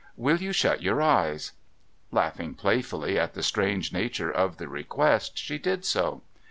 Will you shut your eyes ?' Laughing playfully at the strange nature of the request, she did so.